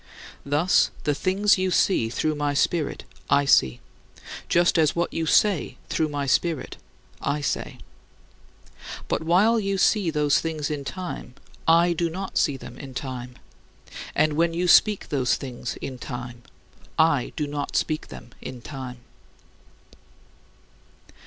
Thus the things you see through my Spirit, I see; just as what you say through my Spirit, I say. But while you see those things in time, I do not see them in time; and when you speak those things in time, I do not speak them in time."